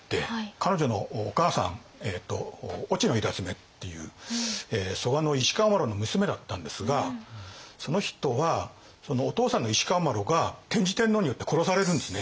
彼女のお母さん遠智娘っていう蘇我石川麻呂の娘だったんですがその人はお父さんの石川麻呂が天智天皇によって殺されるんですね。